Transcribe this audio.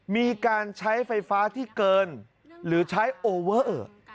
มีการใช้ไฟฟ้าที่เกินหรือใช้โอเวอร์